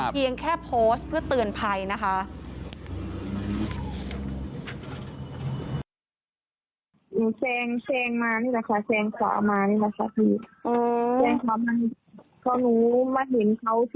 เพียงแค่โพสต์เพื่อเตือนภัยนะคะ